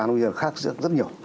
nó bây giờ khác rất nhiều